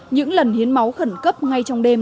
những lần hiến máu khẩn cấp ngay trong đêm